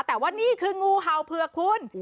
แต่ว่านี่คืองูเห่าเผือกคุณ